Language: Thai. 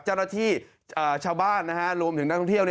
เจ้าหน้าที่ชาวบ้านรวมถึงนักท่องเที่ยว